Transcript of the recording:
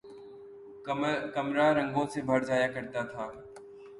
کمرا رنگوں سے بھر جایا کرتا تھا